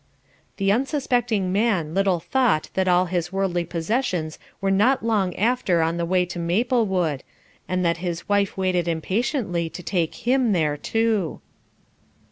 The unsuspecting man little though that all his worldly possessions were not long after on the way to Maplewood, and that his wife waited impatiently to take him there too.